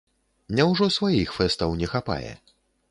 Няўжо сваіх фэстаў не хапае?